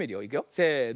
せの。